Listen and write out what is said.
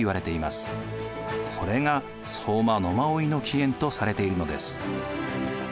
これが相馬野馬追の起源とされているのです。